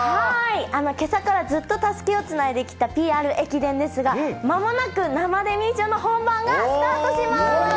けさからずっとたすきをつないできたＰＲ駅伝ですが、まもなく生デミー賞の本番がスタートします。